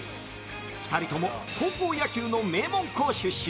２人とも高校野球の名門校出身。